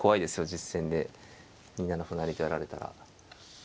実戦で２七歩成とやられたら。